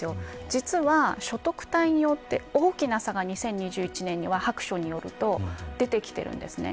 実は所得帯によって大きな差が２０２１年には白書によると出てきてるんですね。